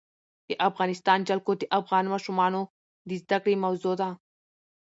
د افغانستان جلکو د افغان ماشومانو د زده کړې موضوع ده.